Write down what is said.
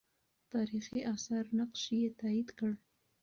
تاریخي آثار نقش یې تایید کړ.